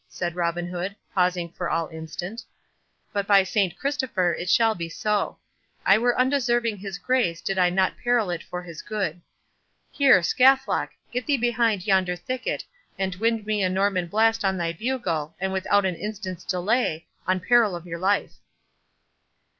said Robin Hood, pausing for all instant; "but by Saint Christopher, it shall be so. I were undeserving his grace did I not peril it for his good.—Here, Scathlock, get thee behind yonder thicket, and wind me a Norman blast on thy bugle, and without an instant's delay on peril of your life."